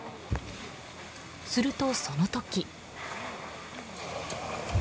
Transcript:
すると、その時。